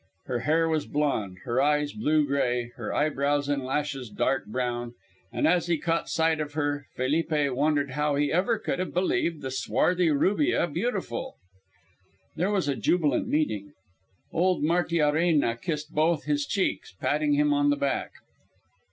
Her hair was blond, her eyes blue gray, her eyebrows and lashes dark brown, and as he caught sight of her Felipe wondered how he ever could have believed the swarthy Rubia beautiful. There was a jubilant meeting. Old Martiarena kissed both his cheeks, patting him on the back.